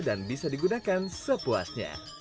dan bisa digunakan sepuasnya